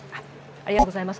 ありがとうございます。